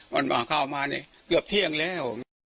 มันมาเข้ามาเนี่ยเกือบเที่ยงแล้ว